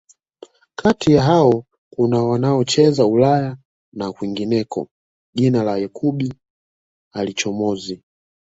Kati ya hao kuna wanaocheza Ulaya na kwingineko Jina la Yakub halichomozi